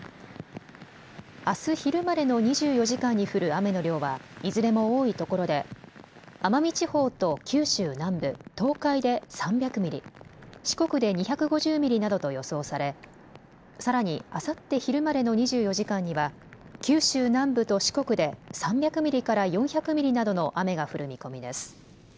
あす昼までの２４時間に降る雨の量はいずれも多いところで奄美地方と九州南部、東海で３００ミリ、四国で２５０ミリなどと予想されさらにあさって昼までの２４時間には九州南部と四国で３００ミリから４００ミリなどの雨が降る見込みです。